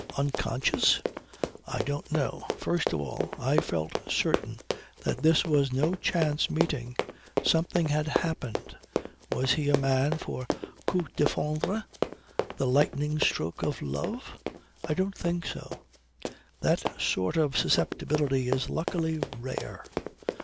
Unconscious? I don't know. First of all, I felt certain that this was no chance meeting. Something had happened before. Was he a man for a coup de foudre, the lightning stroke of love? I don't think so. That sort of susceptibility is luckily rare.